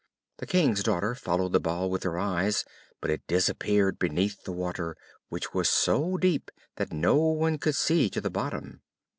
The King's daughter followed the ball with her eyes, but it disappeared beneath the water, which was so deep that no one could see to the bottom.